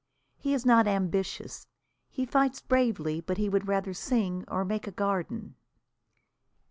He is not ambitious. He fights bravely, but he would rather sing or make a garden.